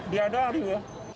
dia ada hari pak